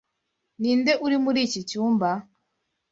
Ninde uri muri iki cyumba?